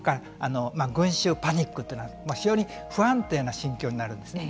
群衆パニックというのは非常に不安定な心境になるんですね。